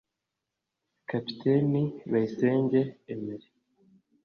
kapiteni Bayisenge Emery